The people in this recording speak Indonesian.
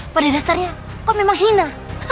pada dasarnya kok memang hina